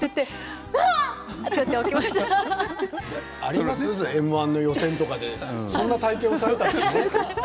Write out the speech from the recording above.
うわあ！ってあの「Ｍ−１」の予選とかでそんな体験をされたんですね。